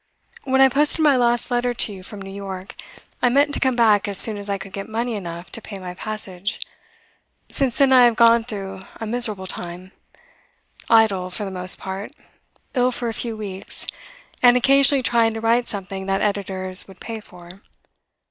When I posted my last letter to you from New York, I meant to come back as soon as I could get money enough to pay my passage. Since then I have gone through a miserable time, idle for the most part, ill for a few weeks, and occasionally trying to write something that editors would pay for.